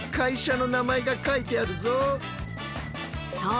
そう！